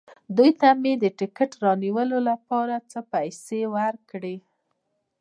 دوی ته مې د ټکټ رانیولو لپاره څه پېسې ورکړې.